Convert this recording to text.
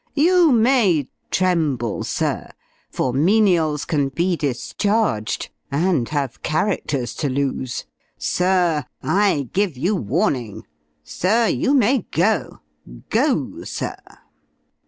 You may tremble, sir, for menials can be discharged, and have characters to lose! Sir, I give you warning! Sir, you may go! Go, sir!"